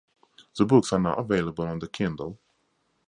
The books are now available on the Kindle.